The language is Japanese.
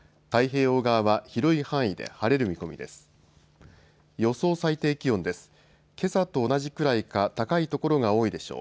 太平洋側は広い範囲で晴れる見込みです。